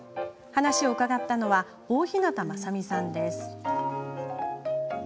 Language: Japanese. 話を伺ったのは大日向雅美さんです。